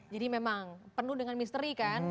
jadi memang penuh dengan misteri kan